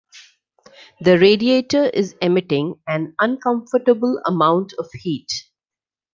That radiator is emitting an uncomfortable amount of heat.